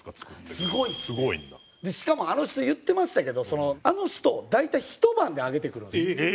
しかもあの人言ってましたけどあの人大体ひと晩であげてくるんですよ。